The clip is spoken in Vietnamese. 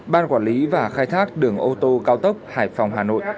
ban quản lý và khai thác đường ô tô cao tốc hải phòng hà nội